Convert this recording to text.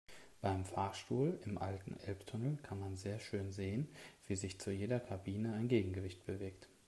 Beim Fahrstuhl im alten Elbtunnel kann man sehr schön sehen, wie sich zu jeder Kabine ein Gegengewicht bewegt.